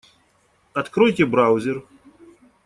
Откройте браузер.